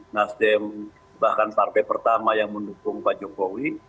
nasdem bahkan partai pertama yang mendukung pak jokowi